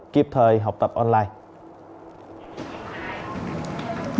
kịp thời học tập online